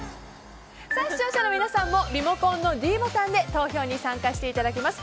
視聴者の皆さんもリモコンのｄボタンで投票に参加していただきます。